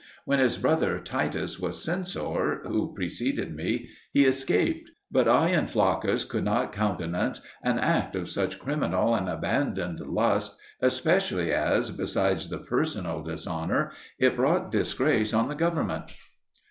When his brother Titus was Censor, who preceded me, he escaped; but I and Flaccus could not countenance an act of such criminal and abandoned lust, especially as, besides the personal dishonour, it brought disgrace on the Government.